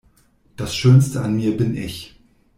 Das Schönste an mir bin ich.